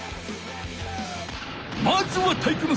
まずは体育ノ